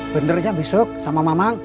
benernya besok sama mamang